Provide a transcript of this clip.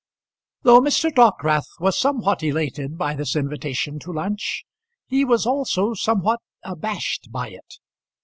Though Mr. Dockwrath was somewhat elated by this invitation to lunch, he was also somewhat abashed by it.